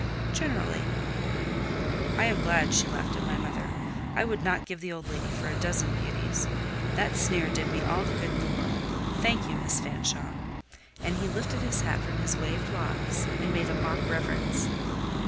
"Generally." "I am glad she laughed at my mother. I would not give the old lady for a dozen beauties. That sneer did me all the good in the world. Thank you, Miss Fanshawe!" And he lifted his hat from his waved locks, and made a mock reverence.